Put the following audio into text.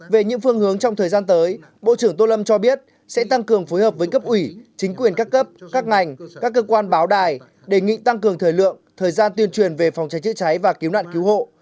về những phương hướng trong thời gian tới bộ trưởng tô lâm cho biết sẽ tăng cường phối hợp với cấp ủy chính quyền các cấp các ngành các cơ quan báo đài đề nghị tăng cường thời lượng thời gian tuyên truyền về phòng cháy chữa cháy và cứu nạn cứu hộ